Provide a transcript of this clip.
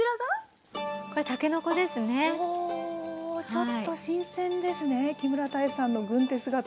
ちょっと新鮮ですね木村多江さんの軍手姿。